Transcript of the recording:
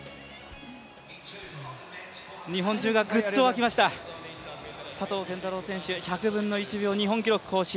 日本中が、ぐっと沸きました佐藤拳太郎選手、１００分の１秒、日本記録更新。